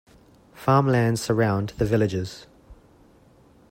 Farm lands surround the villages.